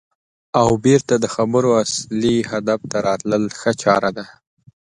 او بېرته د خبرو اصلي هدف ته راتلل ښه چاره ده.